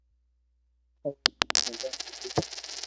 او رو نوم ھونڌا سي دي ھي